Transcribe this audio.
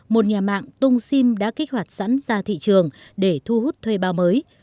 một nhà mạng tung sim đã kích hoạt sẵn ra thị trường để thu hút thuê bao mới